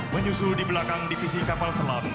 menyusul di belakang divisi kapal selam